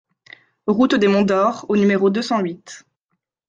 Route des Monts d'Or au numéro deux cent huit